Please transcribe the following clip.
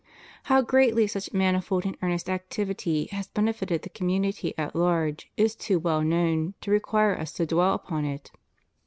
How greatly such manifold and earnest activity has benefited the community at large is too well known to require Us to dwell upon it.